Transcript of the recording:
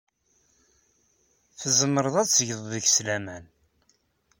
Tzemreḍ ad tgeḍ deg-s laman.